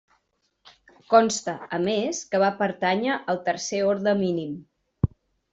Consta, a més, que va pertànyer al Tercer Orde Mínim.